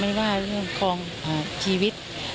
ไม่ว่าเรื่องของชีวิต